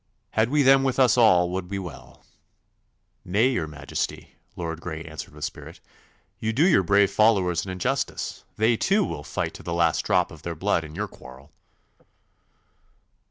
Had we them with us all would be well.' 'Nay, your Majesty,' Lord Grey answered with spirit, 'you do your brave followers an injustice. They, too, will fight to the last drop of their blood in your quarrel.